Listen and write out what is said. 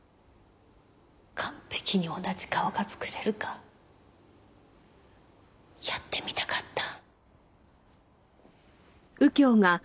完璧に同じ顔が作れるかやってみたかった。